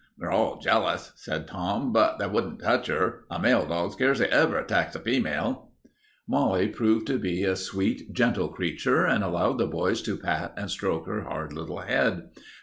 "They're all jealous," said Tom, "but they wouldn't touch 'er. A male dog scarcely ever attacks a female." [Illustration: White English Bull Terrier] Molly proved to be a sweet, gentle creature, and allowed the boys to pat and stroke her hard little head.